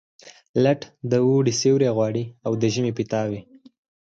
لټ د اوړي سیوري غواړي، د ژمي پیتاوي.